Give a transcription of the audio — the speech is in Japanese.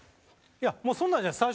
いやもうそんなんじゃないです。